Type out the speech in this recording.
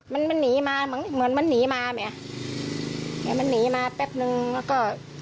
มันมันหนีมาเหมือนมันหนีมาไหมมันหนีมาแป๊บหนึ่งแล้วก็